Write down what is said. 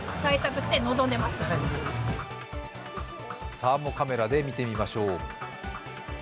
サーモカメラで見てみましょう。